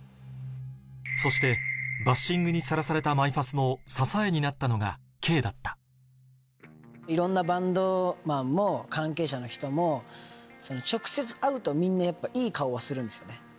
そしてバッシングにさらされたマイファスの支えになったのがＫだったいろんなバンドマンも関係者の人も直接会うとみんないい顔はするんですよね。